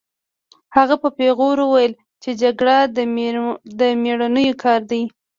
هغه په پیغور وویل چې جګړه د مېړنیو کار دی